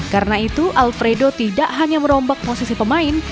karena itu alfredo tidak hanya merombak posisi pemain